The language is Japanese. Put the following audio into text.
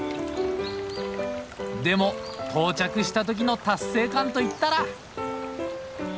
でも到着した時の達成感といったら！